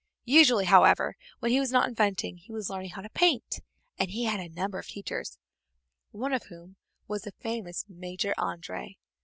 Usually, however, when he was not inventing he was learning how to paint, and he had a number of teachers, one of whom was the famous Major André.